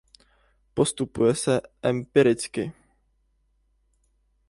Postupuje se empiricky.